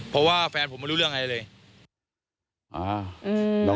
เพราะว่าแฟนผมไม่รู้เรื่องอะไรเลย